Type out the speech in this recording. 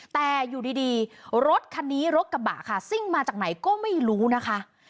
แต่อยู่ดีรถคันนี้รถกระบะค่ะซิ่งมาจากไหนก็ไม่รู้นะคะ